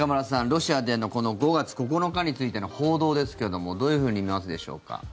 ロシアでのこの５月９日についての報道ですけれどもどういうふうに見ますでしょうか。